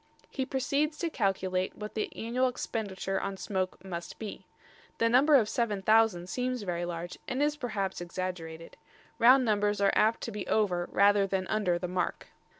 He proceeds to calculate what the annual expenditure on smoke must be. The number of 7000 seems very large and is perhaps exaggerated. Round numbers are apt to be over rather than under the mark.